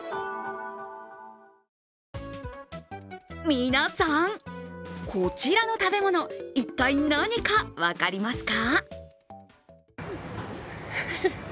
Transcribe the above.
皆さん、こちらの食べ物、一体何か分かりますか？